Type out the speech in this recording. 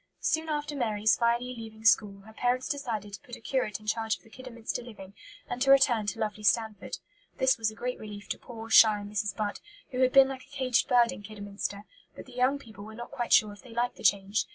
Soon after Mary's finally leaving school her parents decided to put a curate in charge of the Kidderminster living, and to return to "lovely Stanford." This was a great relief to poor, shy Mrs. Butt, who had been like a caged bird in Kidderminster; but the young people were not quite sure if they liked the change.